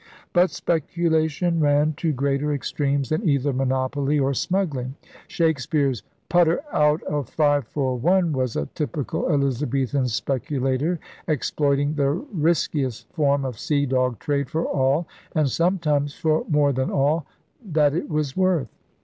But speculation ran to greater extremes than either monopoly or smuggling. Shakespeare's 'Putter out of five for one' was a typical Elizabethan speculator exploiting the riskiest form of sea dog trade for all — and some times for more than all — that it was worth.